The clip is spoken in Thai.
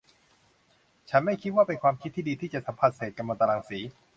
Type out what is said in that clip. ฉันไม่คิดว่าเป็นความคิดที่ดี ที่จะสัมผัสเศษกัมมันตรังสี